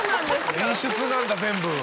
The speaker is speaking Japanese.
演出なんだ全部。